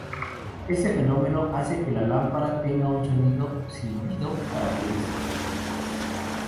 Este fenómeno hace que la lámpara tenga un sonido 'silbido' característico.